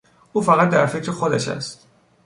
او فقط در فکر خودش است.